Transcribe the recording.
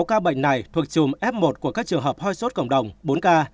sáu ca bệnh này thuộc chùm f một của các trường hợp hoi sốt cộng đồng bốn k